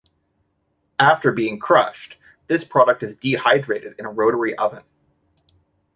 After being crushed, this product is dehydrated in a rotary oven.